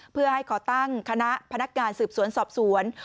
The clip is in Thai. เพื่อให้ขอตั้งคณะพนักงานสืบสวนสอบสวน